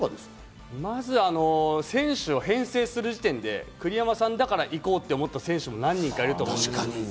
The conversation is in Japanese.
まず選手を編成する時点で栗山さんだから行こうって思った選手も何人かいると思うんですね。